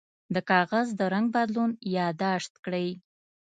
د کاغذ د رنګ بدلون یاد داشت کړئ.